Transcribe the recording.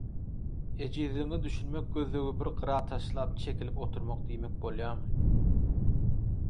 Ejizligiňe düşünmek gözlegi bir gyra taşlap çekilip oturmak diýmek bolýarmy?